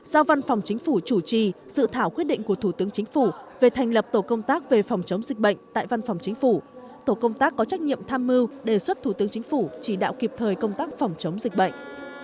một giao văn phòng chính phủ chủ trì dự thảo quyết định của thủ tướng chính phủ về thành lập tổ công tác về phòng chống dịch bệnh tại văn phòng chính phủ tổ công tác có trách nhiệm tham mưu đề xuất thủ tướng chính phủ chỉ đạo kịp thời công tác phòng chống dịch bệnh